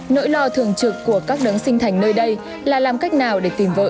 nỗi lo thường trực của các đứng sinh thành nơi đây là làm cách nào để tìm vợ cho con